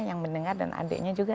yang mendengar dan adiknya juga